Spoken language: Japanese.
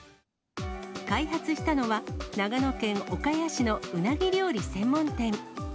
開発したのは、長野県岡谷市のうなぎ料理専門店。